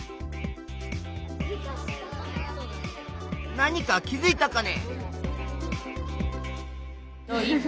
何か気づいたかね？